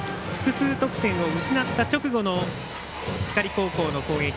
複数得点を失った直後の光高校の攻撃。